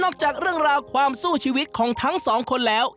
จากเรื่องราวความสู้ชีวิตของทั้งสองคนแล้ว